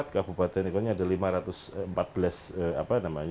kabupaten itu ada lima ratus empat belas